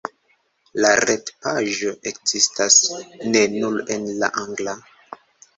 La retpaĝo ekzistas ne nur en la angla.